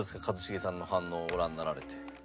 一茂さんの反応ご覧になられて。